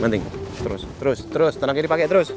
terus tenaganya dipakai